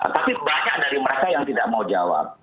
tapi banyak dari mereka yang tidak mau jawab